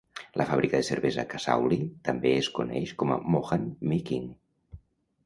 La fàbrica de cervesa Kasauli també es coneix com a Mohan Meakin.